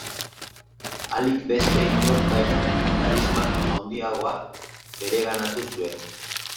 Alik beste inork baino karisma handiagoa bereganatu zuen.